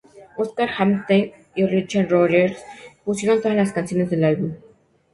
Oscar Hammerstein y Richard Rogers compusieron todas las canciones del álbum.